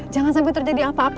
jangan sampai terjadi apa apa